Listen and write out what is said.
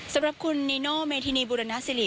สำหรับคุณนีโน่เมธินีบุรณสิริ